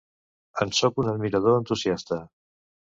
En soc un admirador entusiasta.